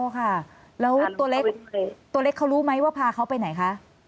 อ๋อค่ะแล้วตัวเล็กเขารู้ไหมว่าพาเขาไปไหนคะ